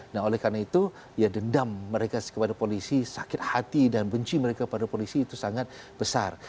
nah oleh karena itu ya dendam mereka kepada polisi sakit hati dan benci mereka pada polisi itu sangat besar